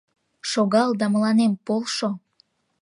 Шогал да мыланем полшо!